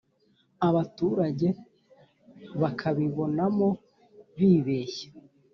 abaturage bakabibonamo bibeshya,